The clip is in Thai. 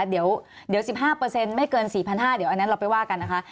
เดี๋ยว๑๕ไม่เกิน๔๕๐๐บาทเดี๋ยวอันนั้นเราไปว่ากันนะคะ